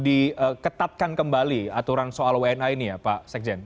diketapkan kembali aturan soal wni ini ya pak cacem